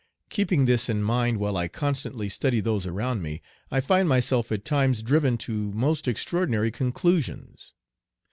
Keeping this in mind while I constantly study those around me, I find myself at times driven to most extraordinary conclusions.